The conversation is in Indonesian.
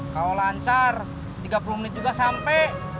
kalau lancar tiga puluh menit juga sampai